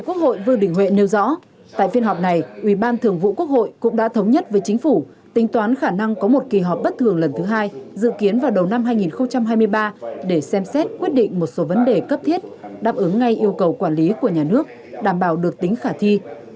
quốc hội cũng đã thống nhất với chính phủ tính toán khả năng có một kỳ họp bất thường lần thứ hai dự kiến vào đầu năm hai nghìn hai mươi ba để xem xét quyết định một số vấn đề cấp thiết đáp ứng ngay yêu cầu quản lý của nhà nước đảm bảo được tính khả thi